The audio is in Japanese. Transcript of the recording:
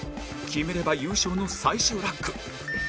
決めれば優勝の最終ラック